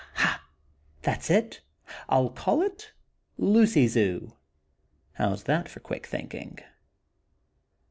Aha! That's it! I'll call it 'Lucy Zoo'. How's that for quick thinking?"